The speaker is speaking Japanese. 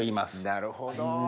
なるほど。